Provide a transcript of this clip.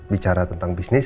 bicara tentang bisnis